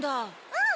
うん！